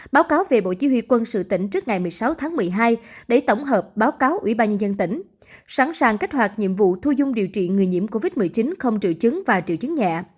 báo cáo về bộ chí huy quân sự tỉnh trước ngày một mươi sáu tháng một mươi hai đẩy tổng hợp báo cáo ubnd tỉnh sẵn sàng kết hoạt nhiệm vụ thu dung điều trị người nhiễm covid một mươi chín không triệu chứng và triệu chứng nhẹ